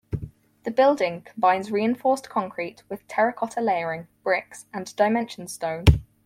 The building combines reinforced concrete with terracotta layering, bricks, and dimension stone.